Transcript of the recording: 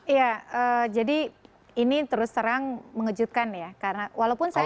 iya jadi ini terus terang mengejutkan ya karena walaupun saya